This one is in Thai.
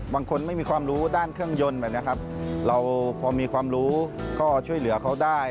ไม่มีความรู้ด้านเครื่องยนต์แบบนี้ครับเราพอมีความรู้ก็ช่วยเหลือเขาได้